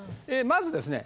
まずですね